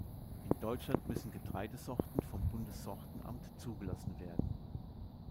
In Deutschland müssen Getreidesorten vom Bundessortenamt zugelassen werden.